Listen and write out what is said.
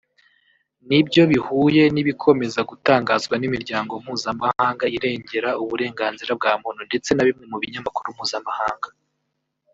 nibyo bihuye n’ibikomeza gutangazwa n’Imiryango mpuzamahanga irengera uburenganzira bwa muntu ndetse na bimwe mu binyamakuru mpuzamahanga